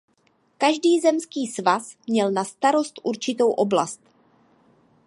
Každý zemský svaz měl na starost určitou oblast.